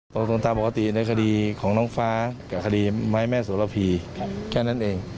ตรงส่วนตามปกติในคดีของน้องฟ้ากับคดีไม้แม่โสระพีแค่นั้นเอง